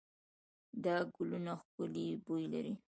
دا ګلونه ښکلې بوی لري.